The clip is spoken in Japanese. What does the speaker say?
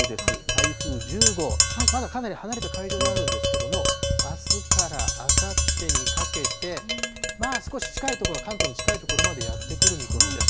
台風１０号、まだかなり離れた海上にあるんですけれども、あすからあさってにかけて、少し近い所、関東に近い所までやって来る見込みです。